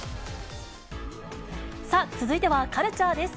さあ、続いてはカルチャーです。